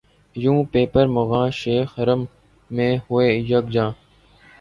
یوں پیر مغاں شیخ حرم سے ہوئے یک جاں